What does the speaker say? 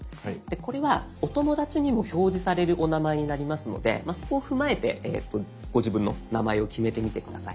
これはお友だちにも表示されるお名前になりますのでそこを踏まえてご自分の名前を決めてみて下さい。